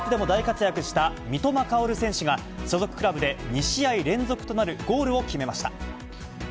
ワールドカップででも大活躍した三笘薫選手が、所属クラブで２試合連続となるゴールを決めました。